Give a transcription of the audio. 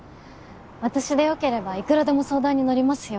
私でよければいくらでも相談に乗りますよ。